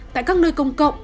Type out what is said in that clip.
tại các nơi công cộng